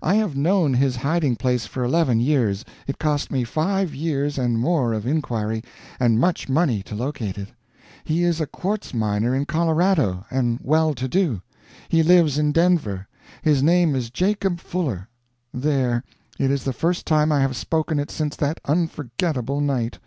I have known his hiding place for eleven years; it cost me five years and more of inquiry, and much money, to locate it. He is a quartz miner in Colorado, and well to do. He lives in Denver. His name is Jacob Fuller. There it is the first time I have spoken it since that unforgettable night.